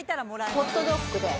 ホットドッグで。